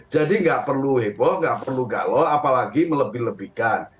jadi nggak perlu heboh nggak perlu galau apalagi melebih lebihkan